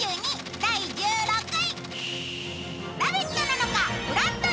第１６位。